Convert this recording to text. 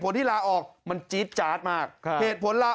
ไปไหน